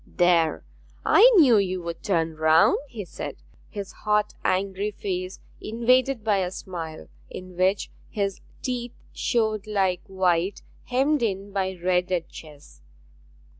'There, I knew you would turn round!' he said, his hot angry face invaded by a smile in which his teeth showed like white hemmed in by red at chess.